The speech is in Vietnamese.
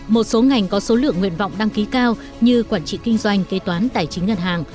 một số ngành có số lượng nguyện vọng đăng ký cao như quản trị kinh doanh kế toán tài chính ngân hàng